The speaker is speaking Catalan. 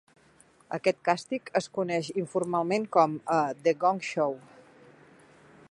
Aquest càsting es coneix informalment com a "The Gong Show".